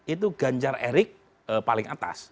itu ganjar erik paling atas